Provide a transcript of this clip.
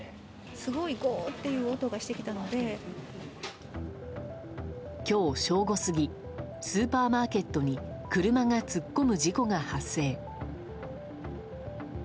すごいごーっていう音がしてきょう正午過ぎ、スーパーマーケットに車が突っ込む事故が発生。